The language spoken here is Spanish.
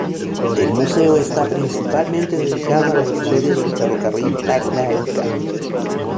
El museo está principalmente dedicado a la historia del Ferrocarril Tacna-Arica.